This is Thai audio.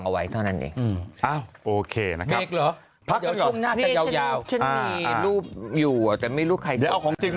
กลับมาก่อนไปข่าวอื่น